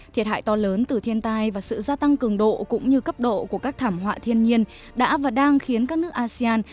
thiệt hại to lớn từ thiên tai và sự gia tăng cường độ cũng như cấp độ của các thảm họa thiên nhiên đã và đang khiến các nước asean